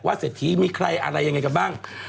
เศรษฐีมีใครอะไรยังไงกันบ้าง